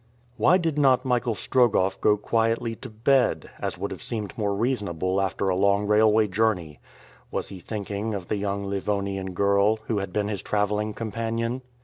Why did not Michael Strogoff go quietly to bed, as would have seemed more reasonable after a long railway journey? Was he thinking of the young Livonian girl who had been his traveling companion?